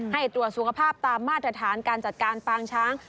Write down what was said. ให้ตรวจสุขภาพตามมาตรฐานการจัดการปางช้าง